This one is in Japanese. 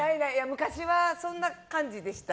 昔はそんな感じでした。